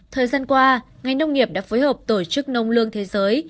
thời gian qua ngành nông nghiệp đã phối hợp tổ chức nông lương thế giới